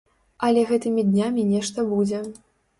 Але гэтымі днямі нешта будзе.